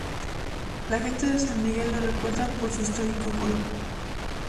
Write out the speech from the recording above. La gente de San Miguel lo recuerda por su histórico gol.